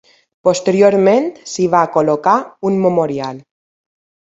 Posteriorment s'hi va col·locar un memorial.